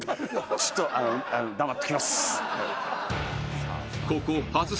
ちょっと黙っときます。